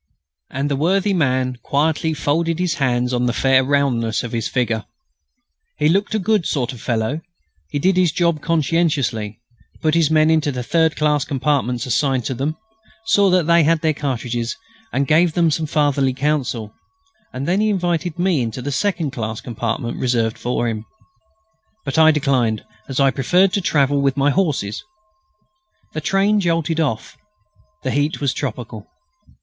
And the worthy man quietly folded his hands on the "fair roundness" of his figure. He looked a good sort of fellow. He did his job conscientiously; put his men into the third class compartments assigned to them; saw that they had their cartridges, and gave them some fatherly counsel; and then he invited me into the second class compartment reserved for him. But I declined, as I preferred to travel with my horses. The train jolted off. The heat was tropical.